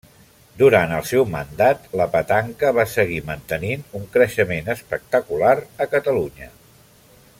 Durant el seu mandat la petanca va seguir mantenint un creixement espectacular a Catalunya.